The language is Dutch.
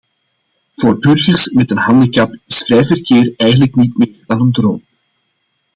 Voor burgers met een handicap is vrij verkeer eigenlijk niet meer dan een droom.